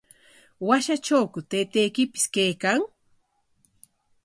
¿Washatrawku taytaykipis kaykan?